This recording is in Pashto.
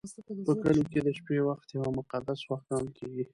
په کلیو کې د شپې وخت یو مقدس وخت ګڼل کېږي.